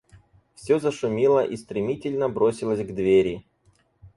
Всё зашумело и стремительно бросилось к двери.